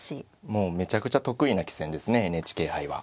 もうめちゃくちゃ得意な棋戦ですねＮＨＫ杯は。